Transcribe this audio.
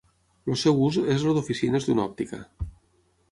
El seu ús és el d'oficines d'una òptica.